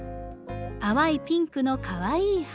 淡いピンクのかわいい花。